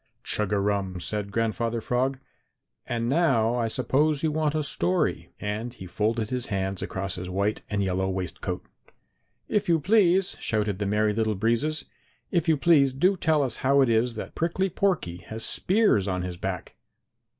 "Chug a rum!" said Grandfather Frog, "and now I suppose you want a story." And he folded his hands across his white and yellow waistcoat. "If you please!" shouted the Merry Little Breezes. "If you please, do tell us how it is that Prickly Porky has spears on his back!"